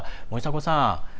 森迫さん